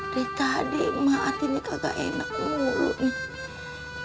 dari tadi emak hatinya kagak enak ngurut nih